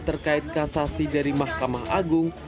terkait kasasi dari mahkamah agung